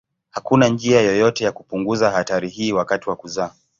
Hakuna njia yoyote ya kupunguza hatari hii wakati wa kuzaa.